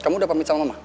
kamu udah pamit sama mama